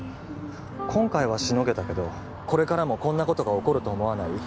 今回はしのげたけどこれからもこんなことが起こると思わない？